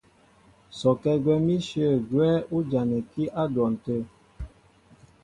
Sɔkɛ́ gwɛ̌n íshyə̂ gwɛ́ ú janɛkí á dwɔn tə̂.